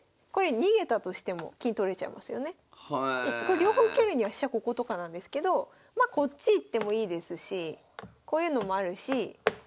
両方受けるには飛車こことかなんですけどまこっち行ってもいいですしこういうのもあるしま